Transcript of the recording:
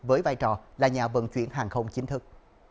với vai trò là nhà vận chuyển hàng không chính thức